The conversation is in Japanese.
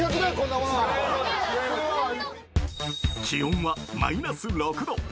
気温はマイナス６度。